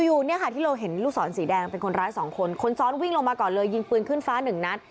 อยู่เนี่ยค่ะที่เราเห็นลูกศรสีแดงเป็นคนร้ายสองคนคนซ้อนวิ่งลงมาก่อนเลยยิงปืนขึ้นฟ้าหนึ่งนัด